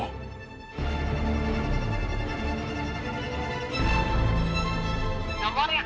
handphone ini sempat dihubungi